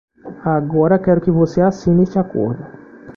Agora quero que você assine este acordo.